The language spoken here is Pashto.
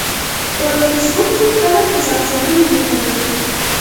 په فېسبوک کې خلک د ځان ښودلو مینه لري